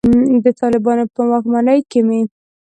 د طالبانو په واکمنۍ کې مې.